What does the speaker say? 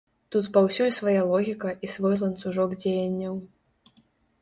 Тут паўсюль свая логіка і свой ланцужок дзеянняў.